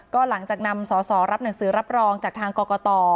ก็หลังจากนำสอสอรับหนังสือรับรองจากทางกรกต